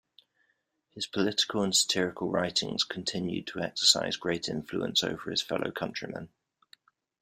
His political and satirical writings continued to exercise great influence over his fellow countrymen.